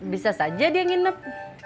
bisa saja dia nginep